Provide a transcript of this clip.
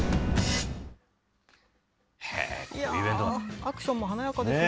アクションも華やかですね。